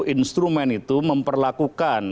instrumen itu memperlakukan